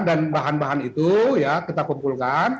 dan bahan bahan itu ya kita kumpulkan